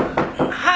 はい？